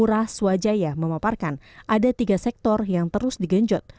ras wajaya memaparkan ada tiga sektor yang terus digenjot